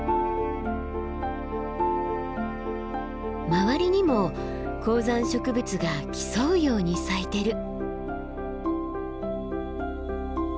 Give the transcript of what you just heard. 周りにも高山植物が競うように咲いてる。